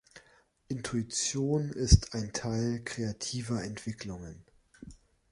Intuition ist ein Teil kreativer Entwicklungen.